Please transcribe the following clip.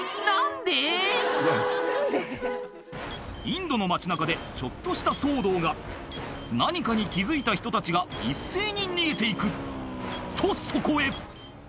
インドの街中でちょっとした騒動が何かに気付いた人たちが一斉に逃げて行くとそこへ！